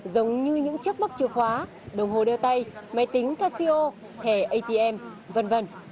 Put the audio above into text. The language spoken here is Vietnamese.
giống như những chiếc móc chìa khóa đồng hồ đeo tay máy tính casio thẻ atm v v